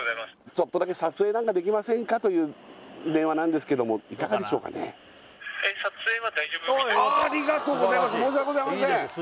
ちょっとだけ撮影なんかできませんかという電話なんですけどもいかがでしょうかね申し訳ございません